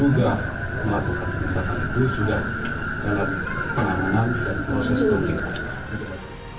sudah dalam penganganan dan proses pemeriksaan